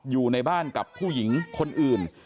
อยู่ในบ้านกับผู้หญิงคนอื่น